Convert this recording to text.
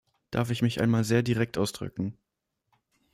Darf ich mich einmal sehr direkt ausdrücken.